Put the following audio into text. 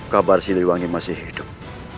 kabar siliwangi masih hidup